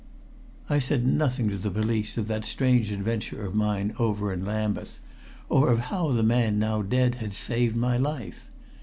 I said nothing to the police of that strange adventure of mine over in Lambeth, or of how the man now dead had saved my life.